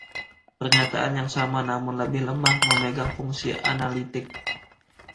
Pernyataan yang sama namun lebih lemah memegang fungsi analitik.